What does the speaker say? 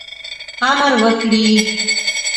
امر وکړي.